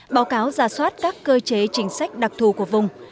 báo cáo giả soát các cơ chế chính sách đặc thù của vùng